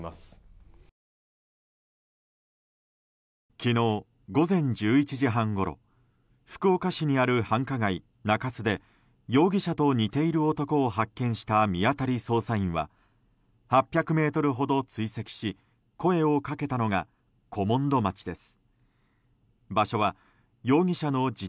昨日、午前１１時半ごろ福岡市にある繁華街・中洲で容疑者と似ている男を発見した見当たり捜査員は８００ｍほど追跡し声をかけたのが古門戸町でした。